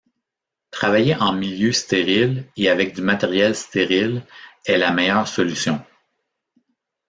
Travailler en milieu stérile et avec du matériel stérile est la meilleure solution.